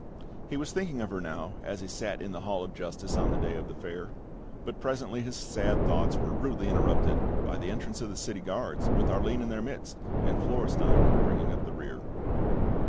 He was thinking of her now as he sat in the Hall of Justice on the day of the fair; but presently his sad thoughts were rudely interrupted by the entrance of the city guards, with Arline in their midst, and Florestein bringing up the rear.